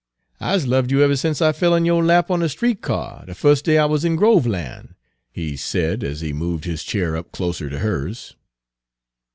"I's loved you ever sence I fell in yo' lap on de street car de fus' day I wuz in Groveland," he said, as he moved his chair up closer to hers.